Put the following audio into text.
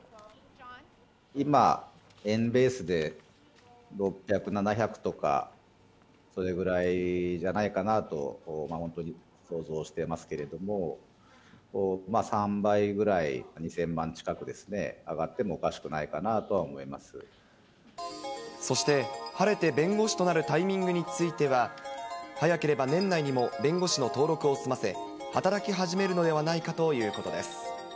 今、円ベースで６００、７００とか、それぐらいじゃないかなと、本当に想像してますけれども、３倍ぐらい、２０００万近くですね、上がってもおかしくないかなあとは思いまそして、晴れて弁護士となるタイミングについては、早ければ年内にも弁護士の登録を済ませ、働き始めるのではないかということです。